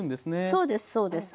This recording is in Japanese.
そうですそうです